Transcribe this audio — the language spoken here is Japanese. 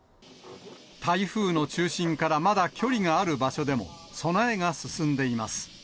台風の中心からまだ距離がある場所でも備えが進んでいます。